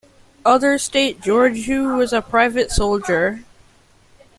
Others state Georgiou was a private soldier.